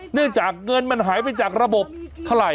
เนื่องจากเงินมันหายไปจากระบบเท่าไหร่